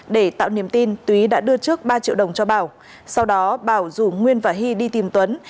để tạo niềm tin tý đã đưa trước ba triệu đồng cho bảo sau đó bảo rủ nguyên và hy đi tìm tuấn